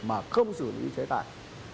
mà không xử lý chế tài